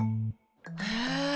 へえ。